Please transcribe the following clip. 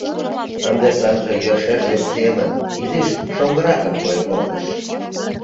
Ынде сынже йӧршеш вес семын, изиш шоҥгыракын койын колтыш.